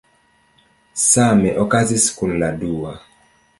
Same okazis kun la dua.